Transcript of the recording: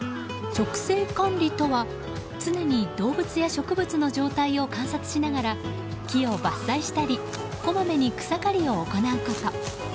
植生管理とは常に動物や植物の状態を観察しながら木を伐採したりこまめに草刈りを行うこと。